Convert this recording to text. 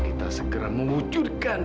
kita segera mengucurkan